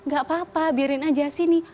gak apa apa biarkan saja sini